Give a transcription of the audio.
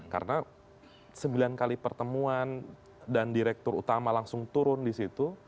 karena sembilan kali pertemuan dan direktur utama langsung turun disitu